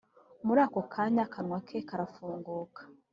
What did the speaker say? muri ako kanya akanwa ke karafunguka